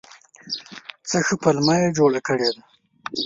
څه ښه پلمه یې جوړه کړې ده !